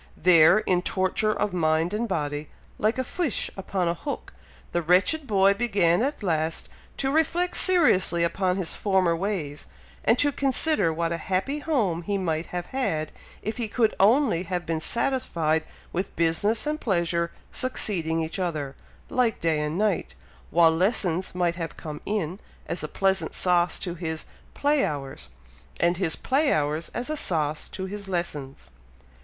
There, in torture of mind and body, like a fish upon a hook, the wretched boy began at last to reflect seriously upon his former ways, and to consider what a happy home he might have had, if he could only have been satisfied with business and pleasure succeeding each other, like day and night, while lessons might have come in, as a pleasant sauce to his play hours, and his play hours as a sauce to his lessons.